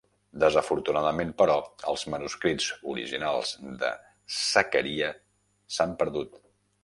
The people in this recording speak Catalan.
Desafortunadament, però, els manuscrits originals de Zachariah s'han perdut.